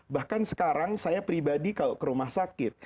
bahkan sekarang saya pribadi kalau ke rumah sakit